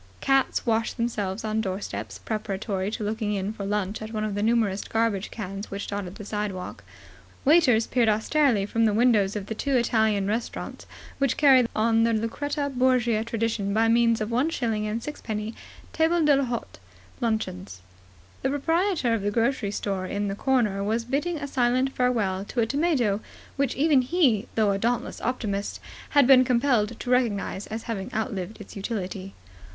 Cats washed themselves on doorsteps, preparatory to looking in for lunch at one of the numerous garbage cans which dotted the sidewalk. Waiters peered austerely from the windows of the two Italian restaurants which carry on the Lucretia Borgia tradition by means of one shilling and sixpenny table d'hôte luncheons. The proprietor of the grocery store on the corner was bidding a silent farewell to a tomato which even he, though a dauntless optimist, had been compelled to recognize as having outlived its utility.